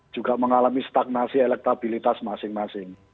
juga mengalami stagnasi elektabilitas masing masing